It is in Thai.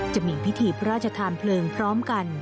จะมีพิธีพระราชทานเพลิงพร้อมกัน